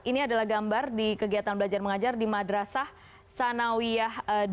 ini adalah gambar di kegiatan belajar mengajar di madrasah sanawiyah dua ribu